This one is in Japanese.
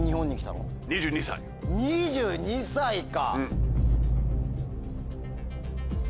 ２２歳か。